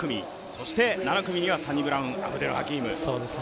そして７組にはサニブラウン・アブデル・ハキーム。